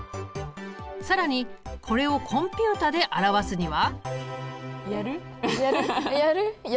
更にこれをコンピュータで表すには？